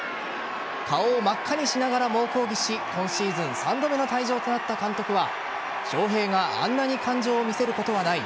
顔を真っ赤にしながら猛抗議し今シーズン３度目の退場となった監督は翔平があんなに感情を見せることはない。